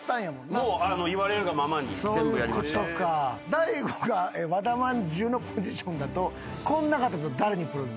大悟が和田まんじゅうのポジションだとこん中だと誰にプロデュースしてほしい？